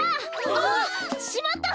あ！しまった！